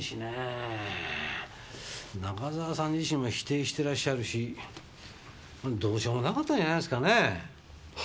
中澤さん自身も否定してらっしゃるしどうしようもなかったんじゃないですかね？